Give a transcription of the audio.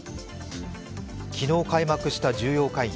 昨日開幕した重要会議